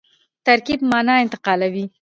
ترکیب مانا انتقالوي.